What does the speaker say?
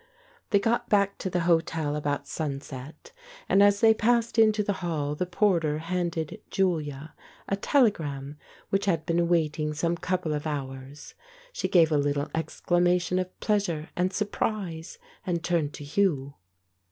They got back to the hotel about sunset, and as they passed into the hall the porter handed Julia a telegram which had been waiting some couple of 198 The Ape hours. She gave a little exclamation of pleasure and surprise, and turned to Hugh.